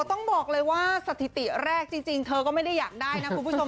ต้องบอกเลยว่าสถิติแรกจริงเธอก็ไม่ได้อยากได้นะคุณผู้ชม